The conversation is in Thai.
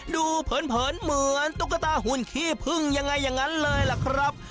ดูเผินเหมือนตุ๊กตาหุ่นขี้เพิ่งยังไงเลยล่ะครับ